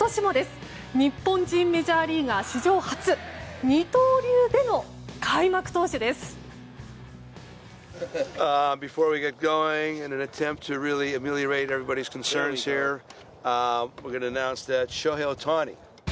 日本人メジャーリーガー史上初二刀流での開幕投手です。